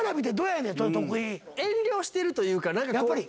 遠慮してるというか。